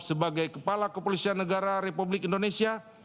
sebagai kepala kepolisian negara republik indonesia